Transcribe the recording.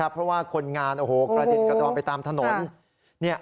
เพราะว่าคนงานกระเด็นกระดอนไปตามถนน